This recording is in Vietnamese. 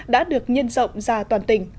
đã được nhân rộng ra toàn tỉnh